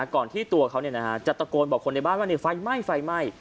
ก่อนที่ตัวเขาจะตะโกนบอกคนในบ้านว่าไฟไหม้ไฟไหม้